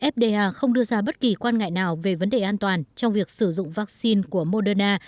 fda không đưa ra bất kỳ quan ngại nào về vấn đề an toàn trong việc sử dụng vaccine của moderna